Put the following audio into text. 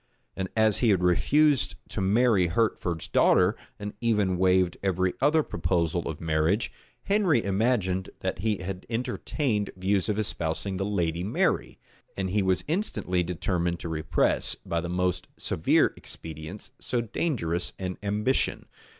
And as he had refused to marry Hertford's daughter, and even waived every other proposal of marriage, Henry imagined that he had entertained views of espousing the lady Mary; and he was instantly determined to repress, by the most severe expedients, so dangerous an ambition.